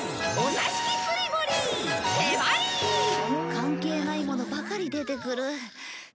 関係ないものばかり出てくる。